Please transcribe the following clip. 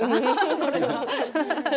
これは。